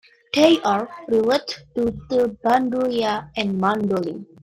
They are related to the bandurria and mandolin.